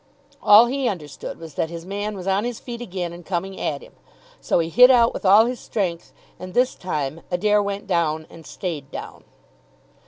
All he understood was that his man was on his feet again and coming at him, so he hit out with all his strength; and this time Adair went down and stayed down.